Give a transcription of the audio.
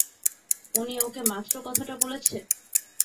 উনি ওকে মাত্র কথাটা বলেছে?